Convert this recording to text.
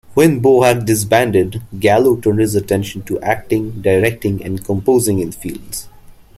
When Bohack disbanded, Gallo turned his attention to acting, directing, and composing in films.